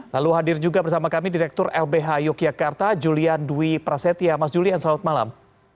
lalu hadir juga bersama kami direktur lbh yogyakarta julian dwi prasetya mas julian selamat malam